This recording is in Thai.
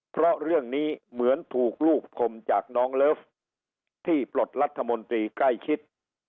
เพราะเรื่องนี้เหมือนถูกรูปคมจากน้องเลิฟที่ปลดรัฐมนตรีใกล้ชิด